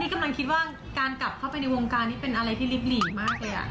กำลังคิดว่าการกลับเข้าไปในวงการนี้เป็นอะไรที่ลิบหลีมากเลย